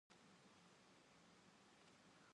saya mengundang anda hadir ke pesta pernikahan saya.